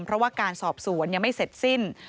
เพราะว่าการสอบสวนยังไม่เสร็จสิ้น